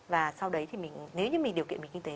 và sau đấy thì mình nếu như mình điều kiện kinh tế